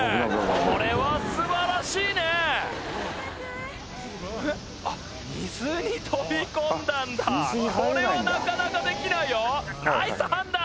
これは素晴らしいねあっ水に飛び込んだんだこれはなかなかできないよナイス判断